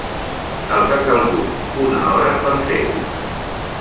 Els ha calgut una hora per fer-ho.